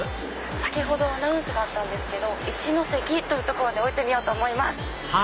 先程アナウンスがあったんですけど一ノ関という所で降りてみようと思います。